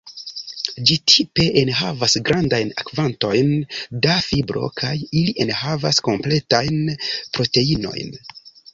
Ĝi tipe enhavas grandajn kvantojn da fibro kaj ili enhavas kompletajn proteinojn.